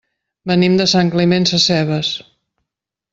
Venim de Sant Climent Sescebes.